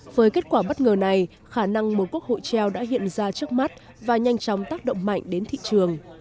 với kết quả bất ngờ này khả năng một quốc hội treo đã hiện ra trước mắt và nhanh chóng tác động mạnh đến thị trường